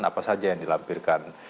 apa saja yang dilampirkan